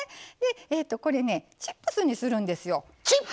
これ、チップスにするんですよ。